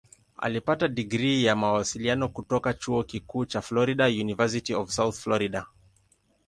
Alipata digrii ya Mawasiliano kutoka Chuo Kikuu cha Florida "University of South Florida".